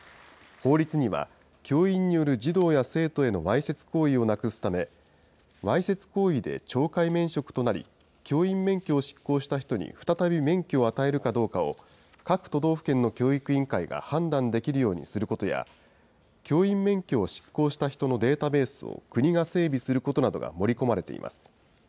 法律には、教員による児童や生徒へのわいせつ行為をなくすため、わいせつ行為で懲戒免職となり、教員免許を失効した人に、再び免許を与えるかどうかを、各都道府県の教育委員会が判断できるようにすることや、教員免許を失効した人のデータベースを、国が整備することなどが盛り込まれています。